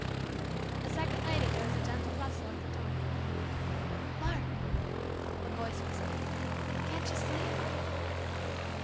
A second later there was a gentle rustle at the door. "Mark " a voice whispered. "Can't you sleep?"